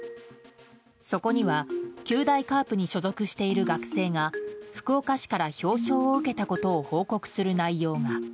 そこには、九大カープに所属している学生が福岡市から表彰を受けたことを報告する内容が。